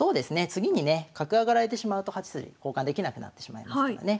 次にね角上がられてしまうと８筋交換できなくなってしまいますからね。